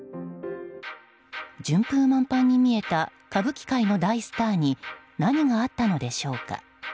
順風満帆に見えた歌舞伎界の大スターに何があったのでしょうか。